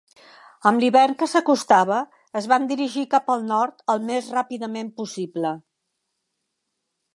Amb l'hivern que s'acostava, es van dirigir cap al nord al més ràpidament possible.